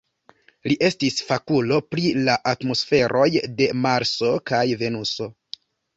Li estis fakulo pri la atmosferoj de Marso kaj Venuso.